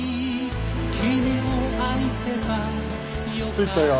着いたよ。